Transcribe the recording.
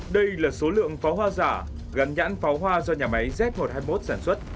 đây là số lượng pháo hoa giả gắn nhãn pháo hoa do nhà máy z một trăm hai mươi một sản xuất